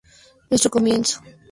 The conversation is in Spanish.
Nuestro comienzo fue tremendo.